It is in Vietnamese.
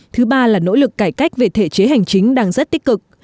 thứ ba là nỗ lực cải cách về thể chế hành chính đang rất tích cực